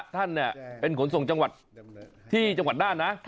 ท่านเป็นขนส่งจังหวัดที่จังหวัดน่านนะ